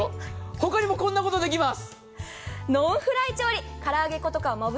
他にもこんなことできます。